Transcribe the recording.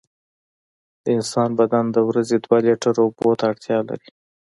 د انسان بدن د ورځې دوه لېټره اوبو ته اړتیا لري.